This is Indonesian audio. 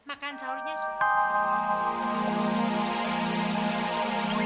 ibu mau bergaul sama si lory